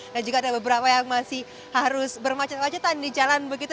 dan juga ada beberapa yang masih harus bermacet macetan di jalan begitu